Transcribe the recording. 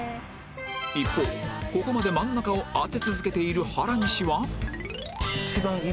一方ここまで真ん中を当て続けている原西は